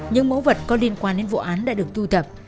những mẫu vật có liên quan đến vụ án đã được thu thập